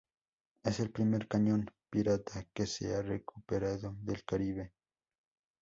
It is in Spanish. Es el primer cañón pirata que se ha recuperado del Caribe.